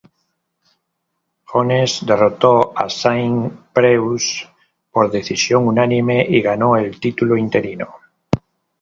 Jones derrotó a Saint Preux por decisión unánime y ganó el título interino.